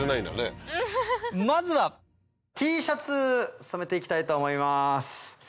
まずはＴシャツ染めて行きたいと思います。